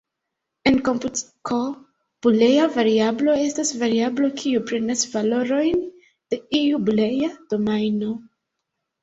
En komputiko, bulea variablo estas variablo kiu prenas valorojn de iu bulea domajno.